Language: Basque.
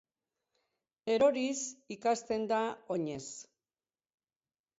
Eroriz ikasten da oinez.